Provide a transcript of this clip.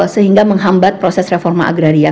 sehingga menghambat proses reforma agraria